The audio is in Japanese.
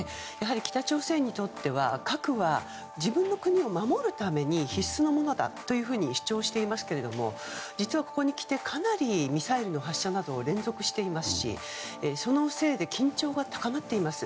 北朝鮮にとっては核は自分の国を守るために必須のものだと主張していますが実はここにきてかなりミサイルの発射などを連続していますしそのせいで緊張が高まっています。